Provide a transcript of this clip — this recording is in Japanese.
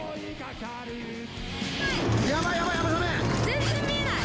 ・全然見えない